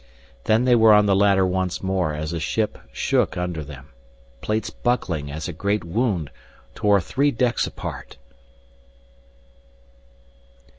Then they were on the ladder once more as the ship shook under them, plates buckling as a great wound tore three decks apart.